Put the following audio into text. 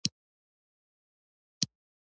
جهاد یوازې د ځان شهیدول نه دي.